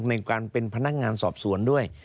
ในการเป็นพนักงานสอบสวนด้วย